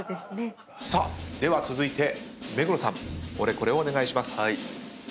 では続いて目黒さんオレコレをお願いします。